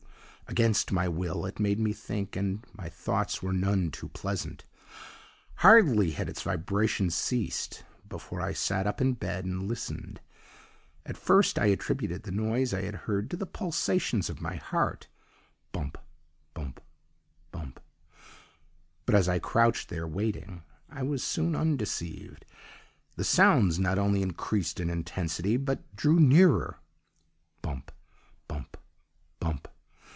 "Against my will, it made me think, and my thoughts were none too pleasant. "Hardly had its vibrations ceased before I sat up in bed and listened! At first I attributed the noise I had heard to the pulsations of my heart bump! bump! bump! but as I crouched there, waiting, I was soon undeceived; the sounds not only increased in intensity, but drew nearer bump! bump! bump!